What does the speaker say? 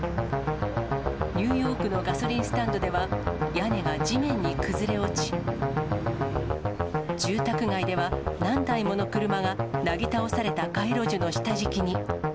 ニューヨークのガソリンスタンドでは、屋根が地面に崩れ落ち、住宅街では、何台もの車がなぎ倒された街路樹の下敷きに。